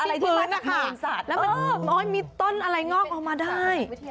อะไรที่มาจากเมืองสัตว์แล้วมีต้นอะไรงอกออกมาได้